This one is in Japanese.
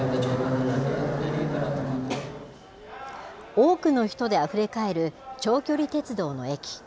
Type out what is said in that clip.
多くの人であふれかえる長距離鉄道の駅。